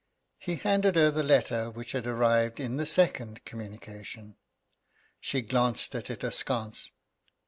He handed her the letter which had arrived in the second communication. She glanced at it, askance.